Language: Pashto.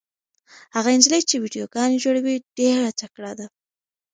هغه نجلۍ چې ویډیوګانې جوړوي ډېره تکړه ده.